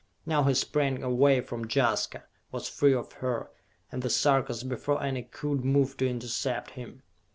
Now he sprang away from Jaska, was free of her and the Sarkas before any could move to intercept him.